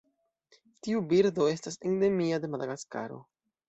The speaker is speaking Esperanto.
Tiu birdo estas endemia de Madagaskaro.